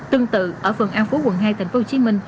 tương tự ở phường an phú quận hai tp hcm